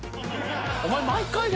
お前毎回や。